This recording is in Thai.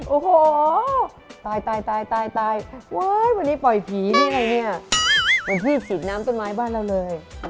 โอ้โหตายวันนี้ปล่อยผีที่ไหนเนี่ยเป็นที่สีดน้ำต้นไม้บ้านเราเลย